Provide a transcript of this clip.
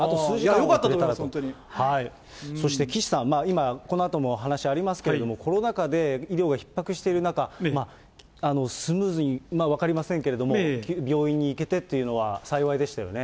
いや、そして岸さん、今、このあとも話ありますけれども、コロナ禍で医療がひっ迫している中、スムーズに、まあ、分かりませんけれども、病院に行けてっていうのは幸いでしたよね。